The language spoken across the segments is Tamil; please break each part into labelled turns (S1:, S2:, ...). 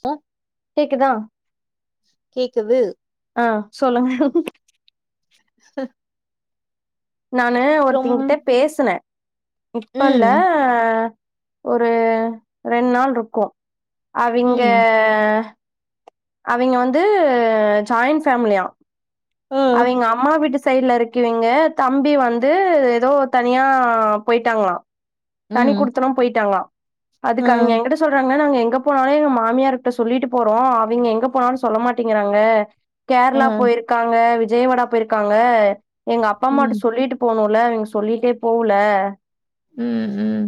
S1: சோ
S2: கேக்குதா
S1: கேக்குது
S2: ஆ சொல்லுங்க நானு
S1: அப்புறம்
S2: ஒருத்தங்கிட்ட பேசுனே இப்பல்ல
S1: ம்
S2: ஒரு ரெண் நாள்ருக்கூ அவிங்க
S1: ம்
S2: அவிங்க வந்து ஜாயின் பேஃமிலியா
S1: ஆ
S2: அவிங்க அம்மா வீட்டுஸ் சைட்ல இருக்குவீங்க தம்பி வந்து எதோ தனியா போயிட்டாங்ளா தனி
S1: ம்
S2: குடுத்தனோ போயிட்டாங்ளா
S1: ஆ
S2: அதுக்கு அவங்க என்கிட்ட சொல்றாங்க என்ன நாங்க எங்க போனாலு எங்க மாமியார்ட்ட சொல்லிட்டு போறோ அவிங்க எங்க போனாலு சொல்ல மாட்டேங்றாங்க
S1: ஆ
S2: கேர்ளா போயிருக்காங்க விஜயவாடா போயிருக்காங்க எங்க அப்பா அம்மாட்ட
S1: ம்
S2: சொல்லிட்டு போனு ல அவிங்க சொல்லிட்டே போல
S1: ம் ம்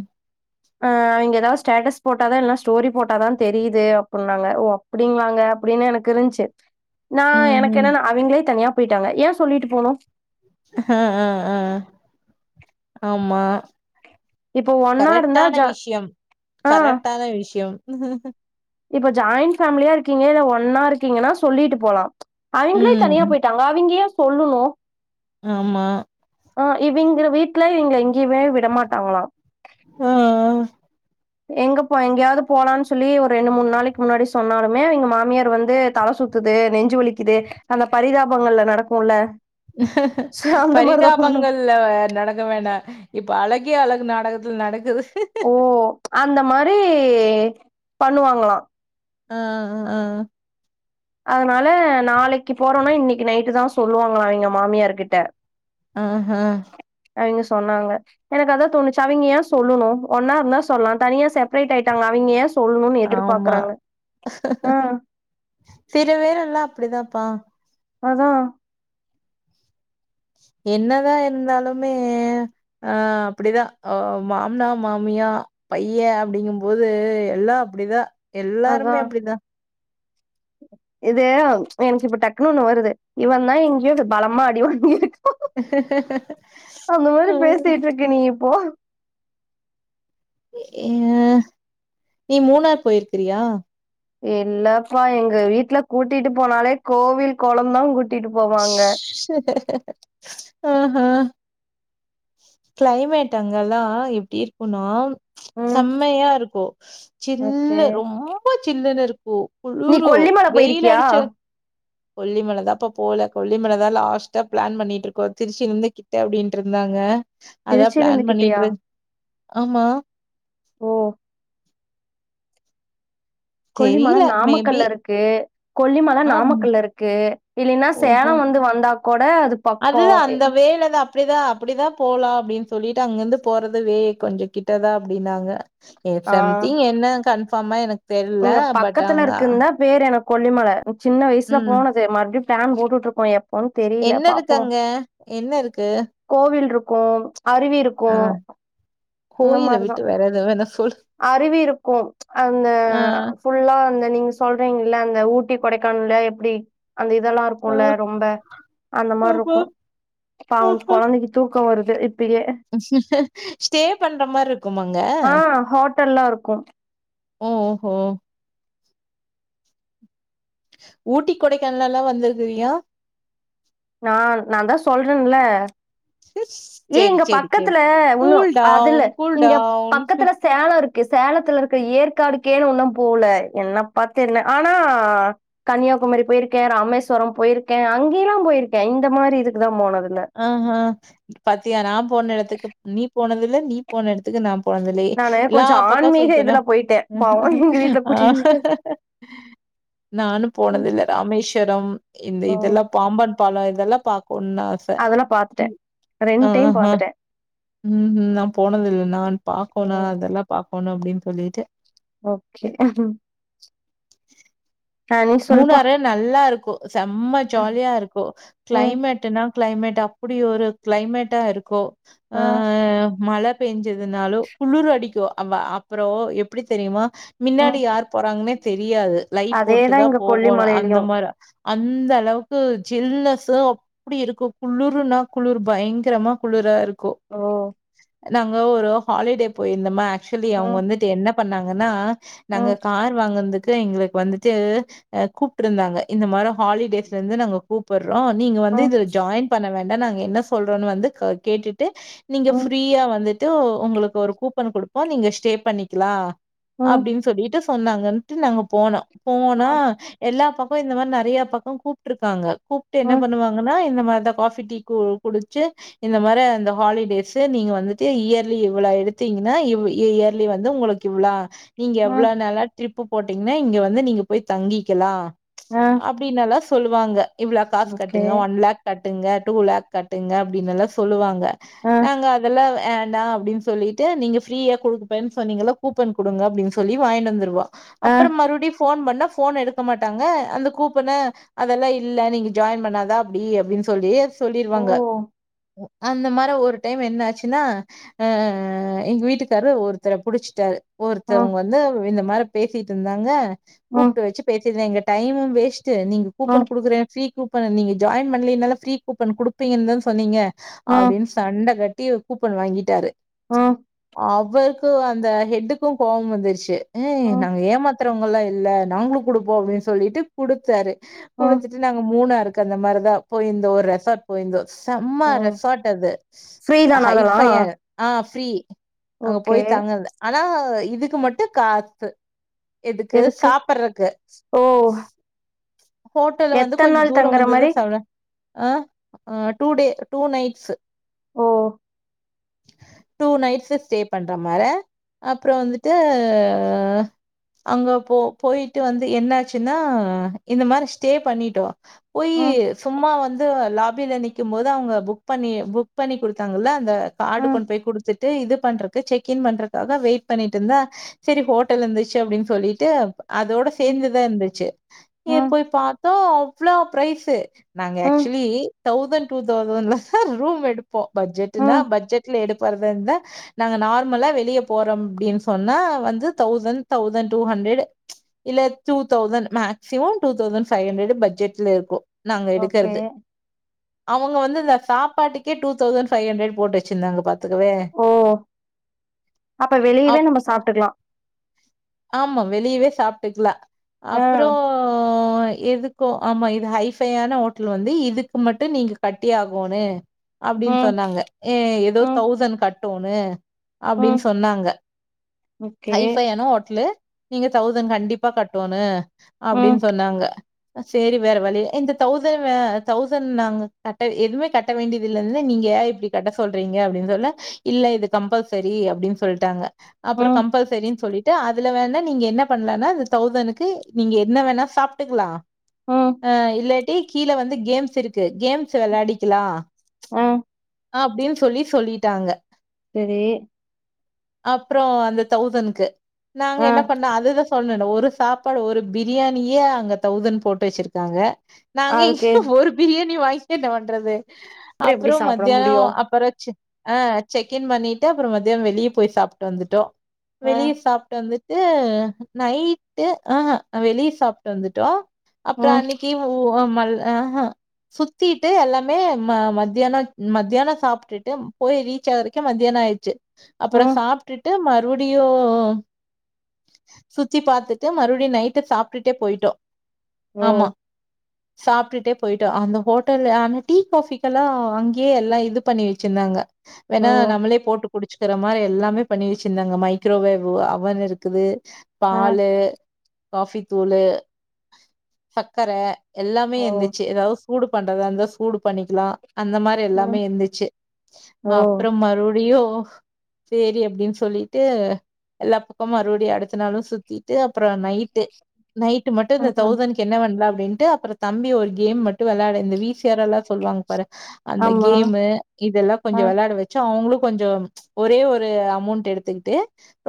S2: ஆ அவிங்க எதாவது ஸ்டேட்டஸ் போட்டாதா இல்லனா ஸ்டோரி போட்டாதா தெரியுது அப்புட்ன்னாங்க ஓ அப் அப்டிங்ளாங்க அப்டினு எனக்கு இருந்துச்சு நா
S1: ம்
S2: எனக்கு
S1: ம்
S2: என்னனா அவிங்களே தனியா போயிட்டாங்க ஏ சொல்லிட்டு போனு
S1: ஆ ஆ ஆ ஆமா
S2: எ
S1: கரெக்டான விஷ்யோ
S2: ஆ
S1: கரெக்டான விஷ்யோ
S2: இப்ப ஜாயிண் ஃபேமிலியா இருக்கீங்க இல்ல ஒன்னா இருக்கீங்கனா சொல்லிட்டு போலா அவிங்களே
S1: ம்
S2: தனியா
S1: ம்.
S2: போய்ட்டாங்க அவிங்க ஏ சொல்லுணு
S1: ஆமா
S2: ஆ இவிங்க வீட்ல இவிங்கள எங்கியுமே விடமாட்டாங்களா
S1: ம் ஆ
S2: எங்க போ எங்கேயாது போலானு சொல்லி ஒரு ரெண்டு மூணு நாளைக்கு முன்னாடி சொன்னாலுமே எங்க மாமியார் வந்து தல சுத் சுத்துது நெஞ்சு வலிக்குது அந்த பரிதாபங்கள்ல நடக்குல
S1: பரிதாபங்கள்ல வ நடக்க வேண்டா இப் இப்போ அழகே அழகு நாடகத்ல நடக்குது ப
S2: ஓ அந்த மாரி பண்ணுவாங்ளா
S1: அ அ ஆ
S2: அதனால நாளைக்கு போறோனா இன்னிக்கு நைட்டுதா சொல்லுவாங்ளா எங்க மாமியார்கிட்ட
S1: அஹும்
S2: அவிங்க சொன்னாங்க எனக்கு அதா தோணுச்சு அவிங்க ஏ சொல்லுணு ஒன்னா இருந்தா சொல்லலா தனியா செப்பரேட் ஆயிட்டாங்க அவிங்க ஏ சொ சொல்லுனு
S1: ஆமா
S2: எதிர்பாக்குறாங்க ஆ
S1: சில பேருலா அப்டிதான்ப்பா
S2: அதா
S1: என்னதா இருந்தாலுமே ஆ அப்டிதா அவங்க மாம்னா மாமி யா பையெ அப்டிங்கும்போது எல்லா அப்டிதா
S2: அதா
S1: எல்லாருமே அப்டிதா
S2: இது எனக்கு இப்ப டக்குனு ஒன்னு வருது இவன்தா எங்கியோ பலமா அடிவாங்கிருக்
S1: ஹ ஹ ஹ
S2: அந்த மாரி பேசிட்டு இருக்க நீ இப்போ
S1: ஏ நீ மூணார் போயிருக்கிறியா
S2: இல்லெப்பா எங்க வீட்ல கூட்டிட்டு போனாலே கோவில் கொளம்தா கூட் டிட் போவாங்க
S1: அஹா கிளைமேட் அங்கெல்லா எப்டி இருக்குனா
S2: ம்
S1: செம்மையா இருக்கு
S2: ஓகே
S1: சில்லு ரொம்ப சில்லுனு இருக்கு
S2: நீ
S1: குளுரூ
S2: கொல்லிமலை
S1: வெயிலு
S2: போயிருக்கியா?
S1: அடிச்ச கொல்லிமலதாபா போல கொல்லிமலதா லாஸ்ட்டா ப்ளான் பண்ணிட்டு இருக்கோ திருச்சி இருந்து கிட்ட அப்டின்னுட்டு இருந்தாங்க அதா
S2: திருச்சிலிருந்து
S1: ப்ளான்
S2: கிட்டயா?
S1: பண்ணிட்டுரு
S2: ஓ கொல்லிமல
S1: தெரியல மேபி
S2: நாமக்கல்ல இருக்கு கொல்லிமல
S1: ஆம்.
S2: நாமக்கல்ல இருக்கு இல்லினா சேலம் வந் வந்தாக்
S1: அதுதா அந்த வேல தா அப்டிதா அப்டிதா போலா அப்டினு சொல்லிட்டு அங்கிருந்து போறதுவே கொஞ்சொ கிட்டதா அப்டின்னாங்க ம்
S2: ஆ
S1: சம்திங் என்ன கன்ஃபார்மா எனக்கு தெரியல.
S2: இங்க
S1: பட்
S2: பக்கத்துல
S1: அங்க
S2: இருக்குன்தா பேரு எனக் கொல்லிமல சின்ன வயசுல
S1: ம்.
S2: போனது மற்புடியு ப்ளான் போட்டுட்டு இருக்கோ எப்
S1: என்ன இருக்கங்க என்ன இருக்கு
S2: கோவில் இருக்கு அருவி இருக்கு
S1: கோயல விட்டு வேற எதுவு வேண
S2: அருவி இருக்கு அந்த
S1: ஆ.
S2: ஃபுல்லா இந்த நீங்க சொல்றீங்கல்ல அந்த ஊட்டி கொடைக்கானல்ல எப்படி அந்த இதெல்லா
S1: ஆ.
S2: இருக்கும்ல ரொம்ப அந்த மாரி
S1: ஆமா.
S2: இருக்கணு இப்ப அவ
S1: ஆஹா.
S2: கொழந்தைக்க தும் க்கம் வருது இப்பயே
S1: ஸ்டே பண்ற மாரி இருக்குமாங்க
S2: நல்லாருக்கு
S1: ஓஹோ ஊட்டி கொடைக்கானலல்லா வந்திருக்குயா
S2: நால் நாந்தா சொல்றன்ல ஏ
S1: சரி,
S2: இங்க
S1: சரி, சரி.
S2: பக்கத்துல ஒன்னு
S1: கூல்
S2: அதுல்ல
S1: டவுன் கூல்
S2: இங்க
S1: டவுன்
S2: பக்கத்துல சேல இருக் கு சேலத்தில் இருக்க ஏற்காடுக்கே இன்னு போல என்ன பத்தல ஆனா கன்னியா யாகுமரி போயிருக்கே ராமேஸ்வரம் போயிருக்கே அங்கேல்லாம் போயிருக்கே இந்த மாரி இதுக்கு தா போனது
S1: ஆ ஆ பாத்தியா நா போன எடத்துக்கு நீ போனதுல நீ போன எடத்துக்கு நா குழந்தலயே
S2: நானு கொஞ்சோ
S1: எல்லாப் பக்க
S2: ஆன்மீக
S1: சுத்தனு
S2: இதுல போயிட்டே பாவோ எங்க வீட்ல
S1: ஆ
S2: கூட்டிட்டு
S1: நானு போனதுல்ல ராமேஸ்வரம் இந்த
S2: ம்
S1: இதெல்லா பாம்பன் பால இதெல்லா பாக்குன
S2: அதெல்லா பாத்துட்டே ரெண்டைம் பாத்துட்டே
S1: ம் ம் நான் போனதில்லை நான் பாக்கோ நா
S2: ம்
S1: அதெல்லா பாகக்கணு அப்டின்னு சொல்லிட்டு
S2: ஓகே ஆ நீ சொல்லுப்பா
S1: மூணுரே நல்லாருக்கு செம்ம ஜாலியா இருக்கு
S2: ம்
S1: கிளைமேட்டுனா க்ளைமேட் அப்படி ஒரு க்ளைமேட்டா இருக்கு
S2: ஆ
S1: மழ பெஞ்சதுனாலு குளிர் அடிக்கு அவ அப்புறோ எப்டி தெரியுமா
S2: ம்
S1: மின்னாடி யார் போறாங்கன்னே தெரியாது லைட்
S2: அதேதா
S1: போட்டுதா
S2: இங்க
S1: போகோணு அந்த
S2: கொல்லிமலையிலயு
S1: மார அந்த அளவுக்கு ஜில்லஸ்சு அப்டி இருக்கு குளிர்னா குளிர் பயங்கரமா குளிராருக்
S2: ஓ
S1: நாங்க ஒரு ஹாலிடே போயிருந்தோம்மா ஆக்சுவலி அவங்க
S2: ம்
S1: வந்துட்டு என்ன பண்ணாங்கன்னா நாங்க
S2: ம்
S1: கார் வாங்கதுக்கு எங்களுக்கு வந்துட்டு ஆ கூப்ட்ருந்தாங்க இந்த மாரி ஹாலிடேஸ்ல இருந்து நாங்க கூப்புறோ நீங்க வந்து
S2: ம்
S1: இதுல ஜாயின் பண்ண வே ன நாங்க என்ன சொல்றோன்னு வந்து அ கேட்டுட்டு நீங்க
S2: ம்
S1: ஃபிரீயா வந்து டு உங்களுக்கு ஒரு கூப்பன் குடுப்போ நீங்க ஸ்டே பண்ணிக்கலா
S2: ம்
S1: அப்டின்னு சொல்லிட்டு சொன்னாங்கன்ட்டு நாங்க போனோ போனா எல்லா பக்க இந்த மாரி நெறையா பக்க கூப்ட்ருக்காங்க கூப்ட்டு என்ன
S2: ம்
S1: பண்ணுவாங்கன்னா இந்த மா இந்த காபி டீ குடிச்சு இந்த மாரி அந்த ஹாலிடேஸ்சு நீங்க வந்துட்டு இயர்லி இவ்ள எடுத்து ட்டீங்கன்னா இவ் இயர்லி வந்து உங்களுக்கு இவ்ளா நீங்க எவ்ளோ
S2: ம்
S1: நாலா ட்ரிப்பு போட்டீங்கன்னா இங்க வந்து நீங்க போய் தங்கிக்கலா
S2: ஆ
S1: அப்டின்னல்லாஸ் சொல்லுவாங்க இவ்ளோ காசு
S2: ஓகே
S1: கட்டுங்க ஒன் லாக் கட்டுங்க டூ லாக் கட்டுங்க அப்டின்னுல்லா சொல்லுவாங்க
S2: ஆ
S1: நாங்க அதெல்லா ஆண்டா அப்டின்னு சொல்லிட்டு நீங்க ஃப்ரீயா குடுக்கப்பன்னு சொன்னீங்கள்ள கூப்பன் குடுங்க அப்டின்னு சொல்லி வாங்கின்னு வந்துருவா
S2: ஆ
S1: அப்புறம் மறுபுடி போன் பண்ண போன் எடு க்க மாட்டாங்க அந்த கூப்பன அதெல்லா இல்ல நீங்க ஜாயின் பண்ணாதா அப்டி அப்டின்னு சொல்லிஸ்
S2: ஓ
S1: சொல்லிருவாங்க உ அந்த மார ஒரு டைம் என்னாச்சுன்னா ஆ எங்க வீட்டுக்காரு ஒருத்தர புடிச்சுட்டாரு
S2: ம்
S1: ஒருத்தவங்க வந்து இந்த மாரி பேசிட்ருந்தாங்க
S2: ம்
S1: கூப்ட்டு வச்சு பேசிந்தே எங்க டைமும் வேஸ்ட் டு நீங்க கூப்பன்
S2: ம்
S1: குடுக்குறே ஃப்ரீ கூப்பன் நீங்க ஜாயின் பண்ணலன்னால ஃப்ரீ கூப்பன் குடுப்பீங்கன் தான சொன்னீங்க
S2: ம்
S1: அப்டின் சண்ட கட்டி கூப்பன் வாங்கிட்டாரு
S2: ஆ
S1: அவருக்கு அந்த ஹெட்டுக்கு கோவம் வந்துருச்சி ஆ
S2: ம்
S1: நாங்க ஏமாத்துறவங்கல்லா இல்ல நாங்ளு குடுப்போ அப்டின் சொல்லிட்டு குடுத்தாரு
S2: ம்
S1: குடுத்துட்டு நாங்க மூணாருக் க்கு அந்த மார்தா போயிந்தோ ஒரு ரெசாட் போயிந்தோ செம்ம
S2: ஓ
S1: ரெசார்ட் அது
S2: ஃப்ரீ தானா அதெல்லா
S1: ஹைஃபையான ஆ ஃப்ரி அங்க
S2: ஓகே
S1: போயி தங்கர்து ஆனா இதுக்கு மட்டு காசு எதுக்கு சாப்பறக்கு
S2: ஓ
S1: ஹோட்டல வந்து
S2: எத்தன்
S1: கொஞ்சந்
S2: நாள்
S1: தூர
S2: தங்குற மாரி
S1: வந்ததுன் சொல்ற ஆ அ டூ டே டூ நைட்ஸு
S2: ஓ
S1: டூ நைட்ஸ் ஸ்டே பண்ற மார அப்றோ வந்துட்டு அங்க போ போயிட்டு வந்து து என்ன ஆச்சின்னா இந்த மாரி ஸ்டே பண்ணிட்டோ போயி
S2: ம்
S1: சும்மா வந்து லாபி கீழ நிக்கும் போது அவுங்க புக் பண்ணி புக் பண்ணி குடுத்தாங்கல்ல அந்த கார்டு
S2: ம்
S1: கொண்டு போய் குடுத்துட் டு இது பண்றக்கு செக் இன் பண்றக்காக வெயிட் பண்ணிட்ருந்த சரி ஹோட்டல் இருந்துச்சு அப்டின் சொல்லிட்டு அதோட
S2: ம்
S1: சேந்துதா இருந்துச்சு ஏ
S2: ம்
S1: போய் பாத்தா அவ்ளா பிரைஸு நாங்க
S2: ம்
S1: ஆக்சுலி தௌசண்ட் டூ தௌசண்ட்லாதா ரூம் எடுப்போ பட்ஜெட்டுனா
S2: ம்
S1: பட்ஜெட்ல எடுக் போறதா இருந்தா நாங்க நார்மலா வெளிய போறோம் அப்டின் சொன்னா வந்து thousand thousand two hundred இல்ல two thousand maximum two thousand five hundred பட்ஜெட்ல இருக்கு நாங்க
S2: ஓகே
S1: எடுக்கற்து அவங்க வந்து ந்த சாப்பாட்டுக்கே டூ தௌசண்ட் ஃபைவ் ஹண்ட்ரட் போட்டு வச்சிர்ந்தாங்க பாத்துக்கவே
S2: ஓ அப்ப வெளியவே
S1: அப்
S2: நம்ம சாப்ட்டுக்கலா
S1: ஆமா வெளியவே சாப்டுக் க்லா
S2: ஆ
S1: அப்றோ அ எதுக்கு ஆமா இது ஹைபையான ஹோட்லு வந்து இதுக்கு மட்டு நீங்க கட்டி ஆகோனு அப்டின்
S2: ம்
S1: சொன்னாங்க ஏ எதோ
S2: ம்
S1: தௌசண்ட் கட்டூனு அப்டின்
S2: ம்
S1: சொன்னாங்க
S2: ஓகே
S1: ஹைஃபையான ஹோட்லு நீங்க தௌசண்ட் கண்டிப் பா கட்டோனு
S2: ம்
S1: அப்டின் சொன்னாங்க சேரி வேற வழி இந்த தௌசண் அ தௌசண் நாங்க கட்ட வே எதுமே கட்ட வேண்டியதில்லன்னு நீ நீங்க ஏ இப்டி கட்ட சொல்றீங்க அப்டின் சொன்னா இல்ல இது கம்பல்சரி அப்டின் சொல்ட்டாங்க. அப்பறோ
S2: ம்
S1: கம்பல்சரின் சொல்லிட்டு அதுல வேணா நீங்க என்ன பண்லானா தௌசனுக்கு நீங்க என்ன வேணா சாப்டுக்கலா
S2: ம்
S1: அ இல்லாட்டி கீழ வந்து கேம்ஸிருக்கு கேம்ஸ் வெளாடிக்கலா
S2: அ
S1: அப்டின் சொல்லி சொல்லிட்டாங்க.
S2: செரி
S1: அப்றோ அந்த தௌசண்க்கு நாங்க
S2: ஆ
S1: என்ன பண்ணோ அதுதா சொன்னல ஒரு ரு சாப்பாடு ஒரு பிரியாணியே அங்க தௌசண் போட்டு வெச்சிருக்காங்க. நாங்க
S2: அதுக்கு
S1: ஒரு பிரியாணி வாங்கி என்ன பண்றது
S2: அப்றோ எப்டி
S1: அப்பறோ
S2: சாப்ட
S1: மத்தியானோ
S2: முடியு
S1: அப்பறோ செக் ஆ செக்கின் பண்ணிட்டு அப்பறோ மத்தியான வெளிய போய் சாப்ட்டு வந்துட்டோ
S2: ஆ
S1: வெளிய சாப்ட்டு வந்து டு நைட்டு ஆஹ அ வெளிய சாப்ட்டு வந்துட்டோ அப்றோ
S2: ம்
S1: அன்னிக்கி [unintelligible] ஆஹ சுத்திட்டு எல்லாமே ம மத்தியான மத்தியானோ சாப்டுட்டு போய் ரீச் ஆகரதுக்கே மத்தியான னோ ஆயிர்ச்சி அப்பறோ
S2: ம்
S1: சாப்டுட்டு மறுபடியு சுத்தி பாத்துட்டு மறுபடியு நைட்டு சாப்டுட்டே போயிட்டோ.
S2: ஓ
S1: சாப்டுட்டே போயிட்டோ அந்த ஹோட்டல்ல ஆன டீ காஃபிக்கெல்லா அங்கியே எல்லா இது பண்ணி வெச்சிருந்தாங்க.
S2: ஓ
S1: வேணா நம்மளே போட்டு குடிச்சிக்கிற மாரி எல்லாமே பண்ணி வச்சிருந்தாங்க மைக்ரோவேவு அவன் இருக்குது
S2: ஆ
S1: பாலு காஃபி தூளு சச்கர எல்லாமே
S2: ஓ
S1: இருந்துச்சு எதாவ்து சூடு பண்றதாருந்த சூடு பண்ணிக்கலா அந்த மாரி எல்லாமே
S2: ம்
S1: இருந்துச்சு
S2: ஓ
S1: அப்றம் மறுபடியு சேரி அப்டின்னு சொல்லிட்டு எல்லா பக்கமு மறுபடியு அடுத்தனாலும் சுத்திட்டு அப்றோ நைட்டு நைட் மட்டு இந்த
S2: ம் ம்
S1: தௌசண்க்கு என்ன வண்ல அப்டின்ட்டு அப்ற தம்பி ஒரு கேம் மட்டு டு வெளாட இந்த வீசிர் எல்லா சொல்வாங்க பாரு அந்த
S2: ஆமா
S1: கேம்மு இதெல்லா கொஞ்ச
S2: ஆ
S1: வெளாடா வச்சு அவங்ளு கொஞ்சம் ஒரே ஒரு அமௌண்ட் எடுத்துக்ட்டு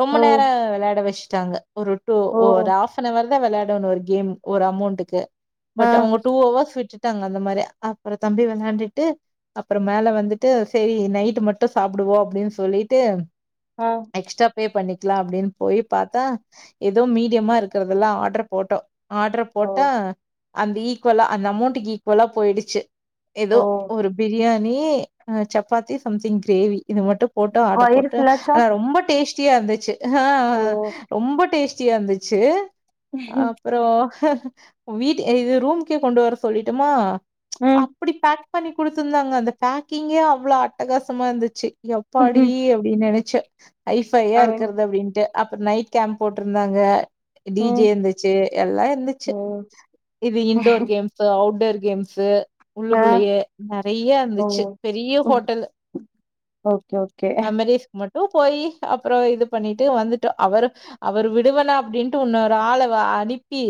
S1: ரொம்ப
S2: ஓ
S1: நேர வெலாடா வச்சுட்டாங்க ஒரு ஒரு
S2: ஓ
S1: ஒ ஆஃப் நெவர் தா வெலாடனு ஒரு கேம் ஒரு அமௌண்டுக்கு
S2: ஆ
S1: பட் அவங்க டூ அவர்கள் விட்டுட் டாங்க அந்த மாரி அப்ற தம்பி வெளாண்டுட்டு அப்ற மேல வந்துட்டு சரி நைட்டு மட்டு சாப்டு போ அப்டின் சொல்லிட்டு
S2: ஆ
S1: எக்ஸ்ட்ரா பே பண்ணிக்லா அப்டின் போய் பாத்தா எதோ மீடியமா இருக்கறதல்ல ஆட்ரு போட்டோ ஆட்ரு
S2: ஓ
S1: போட்டா அந்த ஈக்குவலா அந்த அமௌண்ட்க்கு ஈக்குவலா போயிடுச்சு ஏதோ
S2: ஓ
S1: ஒரு பிரியாணி ணீ சப்பாத்தி சம்திங் கிரேவி இது மட்டு போட்டோ ஆட்ரு
S2: வயிறு
S1: போட்டு
S2: ஃபுல்லாச்சா
S1: ஆ ரொம்ப டே டியா இருந்துச்சு ஆ
S2: ஓ
S1: ரொம்ப டேஸ்ட்டியா இருந்துச்சு
S2: ம்
S1: அப்ற வீட்டு இது ரூம்கே கொண்டு வர சொல்லிட்டமா
S2: ம்
S1: அப்டி பேக் பண்ணி குடுத்துந்தாங்க அந்த பேக்கிங்கே அவ்லோ அட்டகாசமா இருந்துச்சு எப்பாடி
S2: ம்
S1: அப்டின் நனைச்ச ஹைஃபையா
S2: ஆ
S1: இருக்கறது அப்டின்ட்டு அப் நைட் கேம்ப் போட் ருந்தாங்க டிஜே
S2: ம்
S1: இருந்துச்சு எல்லா இருந்துச்சு
S2: ம்
S1: இது இன்டோர் கேம்ஸ்ஸு அவுட்டோர் கேம்ஸு
S2: ஆ
S1: உல்லுகுல்லேயே நறைய
S2: ஓ
S1: இருந்துச்சு பெரிய
S2: ம்,
S1: ஹோட்டல்லு
S2: ஓகே ஓகே
S1: போய் அப்ற இது பண்ணிட்டு வந்துட்டோ அவர் அவர் விடுவனா அப்டின்ட்டு இன்னொரு ஆள அனுப்பி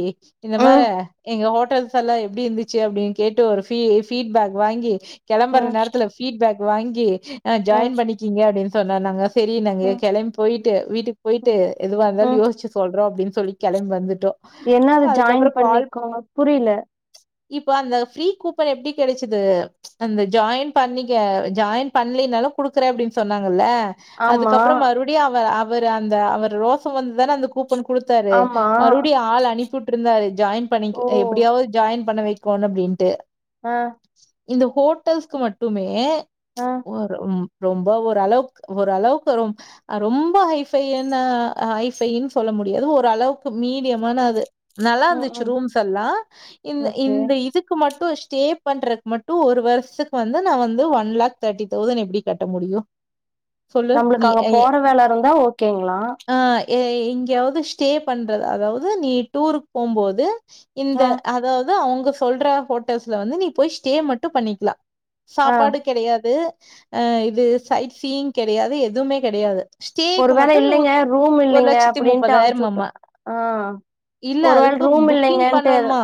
S1: இந்த மார
S2: ம்
S1: எங்க ஹோட் [unintelligible] எல்லா எப்டி இருந்துச்சு அப்டின்னு கேட்டு ஒரு பீ ஃபீட்பேக் வாங்கி கெலம்பர
S2: ம்
S1: நேரத்தல பீட்பேக் வாங்கி ஆ
S2: ம்
S1: ஜாயின் பண்ணிக்கீங்க அப்டின்னு சொன்ன நாங்க சரி நாங்க
S2: ம்
S1: கெலம் போயிட்டு வீட்டுக்கு போயிட்டு
S2: ம்
S1: எதுவாருந்தா
S2: ம்.
S1: சொல்றோம் அப்டின்னு சொல்லி கெலம் வந்துட்டோ
S2: என்ன அது ஜாயின்
S1: அதுக்கப்புறோ கால்
S2: பண்ணிக்கோங்க புரில
S1: இப்போ அந்த ஃப்ரீ கூப்பன் எப்டி கடைச்சுது அந்த ஜாயின் பண்ணிக்க ஜாயின் பண்லி ன்னால குடுக்ரே அப்டின்னு சொன்னாங்கல்ல
S2: ஆமா
S1: அதுக்கப்புறம் மறுடியு அவ அவர் அந்த அவர் ரோசம் வந்துதானே அந்த கூப்பன கொடுத்தாரு
S2: ஆமா
S1: மறுடியு ஆள் அனுப்புட்ருந்தாரு ஜாயின் பண்ணி
S2: ஓ
S1: எப்டியாவது ஜாயின் பண்ண வைக்கோணனு அப்டின்ட்டு
S2: ஆ
S1: இந்த ஹோட்டல்ஸ்க்கு மட்டுமே
S2: ஆ
S1: ஒரு ரொம்ப ஒரு அளவுக் ஒரு அளவுக்கு ரொ ரொம்ப ஹைஃபைன ஹை பைனு சொல்ல முடியாது ஒரு அளவுக்கு மீடியமான அது நல்லா
S2: ம்
S1: இருந்துச்சு
S2: ம்
S1: ரூம்ஸ் எல்லா இந்த
S2: ஓகே
S1: இந்த இதுக்கு மட்டு ஸ்டே பண்றக் மட்டு ஒரு வர்ஷத்க் வந்து நா வந்து ஒன் லே் தேட்டி தௌசண்ட் எப்டி கட்ட முடியு
S2: நம்மளுக்கு அங்க போற வேலருந்தா ஓகேங்களா
S1: ஆ எங்கேயாவது ஸ்டே பண்றது அதாவது நீ டூருக் போம்போது இந்த
S2: ஆ
S1: அதாவது து அவங்க சொல்ற ஹோட்டல்ஸ்ல வந்து நீ போய் ஸ்டே மட்டு பண்ணிக்கலா
S2: ஆ
S1: சாப்பாடு கெடயாது அ இது சைட் சீங் கெடயாது எதுமே கெடயாது
S2: ஒரு
S1: ஸ்டேக்கு
S2: வேள
S1: மட்டு
S2: இல்லைங்க
S1: நூத்
S2: ரூம்
S1: ஒரு
S2: இல்லைங்க
S1: லட்சத்தி
S2: அப்டின்ட்டு அமுச்சு வுட்ட
S1: முப்பதாயிரமம்மா
S2: ஆ
S1: இல்ல
S2: ஒரு வேள
S1: அதுக்கு
S2: ரூம்
S1: புக்கிங்
S2: இல்லைங்கன்ட்டு
S1: பண்ணுன்மா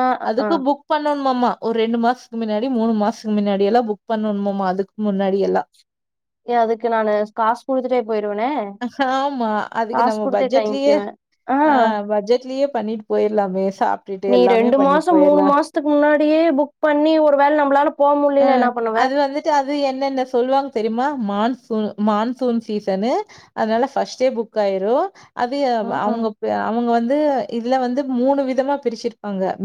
S2: ஆ ஆ
S1: அதுக்கு புக் பண் ன்மா ஒரு ரெண்டு மாஸ்க்கு மின்னாடி மூணு மாஸ்க்கு மின்னாடி எல்லா புக் பண்ணுமமா அதுக்கு முன்னாடி எல்லா
S2: ஏ அதுக்கு நானு காசு கொடுத்துட்டே போயிருவனே
S1: ஆமா அதுக்கு
S2: காசு
S1: நம்ம
S2: குடுத்த
S1: பட்ஜெட்லயே
S2: தயங்க்குவே ஆ
S1: பட்ஜெட்லயே பண்ணிட்டு போயிரலாமே சாப்ட்டுட்டு
S2: நீ
S1: எல்லாமே
S2: ரெண்டு
S1: பண்ணிட்டு
S2: மாசம் மூணு
S1: போயிரலா
S2: மாசத்துக்கு முன்னாடியே புக் பண்ணி ஒரு வேல நம்மளால போ
S1: ஆ
S2: முடிலன்னா என்ன பண்ணுவ
S1: அது வந்துட்டு அது என்னென்ன சொல்லுவாங்க தெரிமா மான்சூன் மான்சூன் சீசனு அதனல ஃபர்ஸ்ட்டே புக் ஆயிரு அது
S2: ம் ம்
S1: அவங்க அவங்க வந்து இதுல வந்து மூணு விதமா பிரிச்சிருப்பாங்க மி